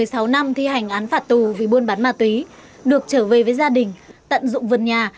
sau thi hành án phạt tù vì buôn bán ma túy được trở về với gia đình tận dụng vườn nhà